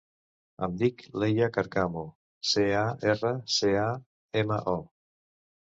Em dic Leia Carcamo: ce, a, erra, ce, a, ema, o.